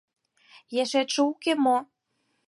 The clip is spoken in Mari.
— Ешетше уке мо?